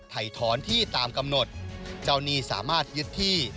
ถอนที่ตามกำหนดเจ้าหนี้สามารถยึดที่